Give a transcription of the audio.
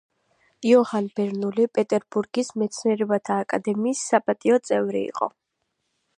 იოჰან ბერნული პეტერბურგის მეცნიერებათა აკადემიის საპატიო წევრი იყო.